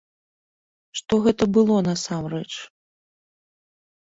Што ж гэта было насамрэч?